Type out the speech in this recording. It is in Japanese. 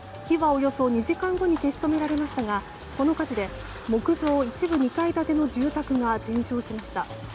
火はおよそ２時間後に消し止められましたがこの火事で木造一部２階建ての住宅が全焼しました。